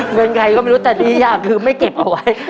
เงินใครก็ไม่รู้แต่ดีอย่างคือไม่เก็บเอาไว้